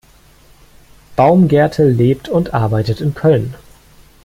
Baumgärtel lebt und arbeitet in Köln.